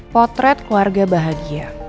potret keluarga bahagia